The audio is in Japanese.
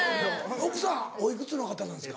奥さんお幾つの方なんですか？